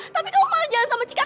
tapi kamu malah jalan sama cika